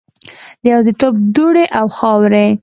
د یوازیتوب دوړې او خاورې